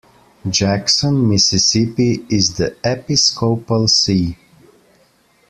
Jackson, Mississippi is the episcopal see.